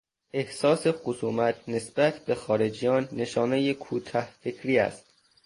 احساس خصومت نسبت به خارجیان نشانهی کوتهفکری است.